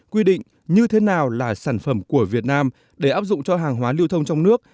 quy định như thế nào là sản phẩm của việt nam để áp dụng cho hàng hóa lưu thông trong nước